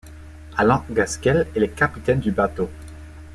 Alan Gaskell est le capitaine du bateau.